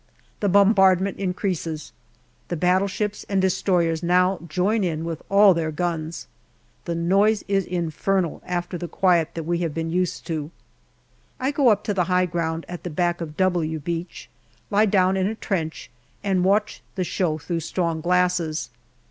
The bombardment increases ; the battleships and destroyers now join in with all their guns. The noise is infernal, after the quiet that we have been used to. I go up to the high ground at the back of " W " Beach, lie down in a trench, and watch the show through strong glasses.